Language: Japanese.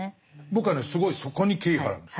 僕はねすごいそこに敬意を払うんです。